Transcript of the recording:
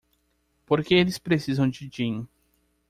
Por que eles precisam de gin?